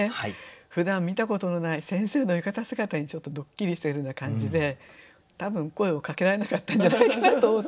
ふだん見たことのない先生の浴衣姿にちょっとドッキリしてるような感じで多分声をかけられなかったんじゃないかなと思って。